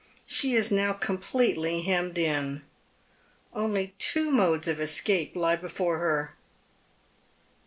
She is now completely hemmed in. Only two modes of escape lie before her.